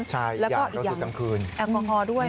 แล้วก็อีกอย่างแอลกอฮอล์ด้วย